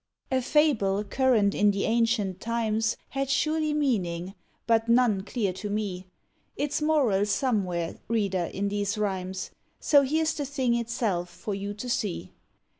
A Fable current in the ancient times Had surely meaning; but none clear to me. Its moral's somewhere, reader, in these rhymes, So here's the thing itself for you to see.